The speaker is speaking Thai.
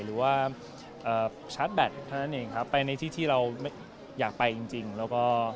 หรือว่าชาร์จแบตเท่านั้นเองครับไปในที่ที่เราอยากไปจริงแล้วก็